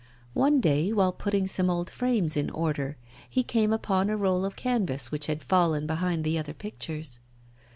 One day, while putting some old frames in order, he came upon a roll of canvas which had fallen behind the other pictures.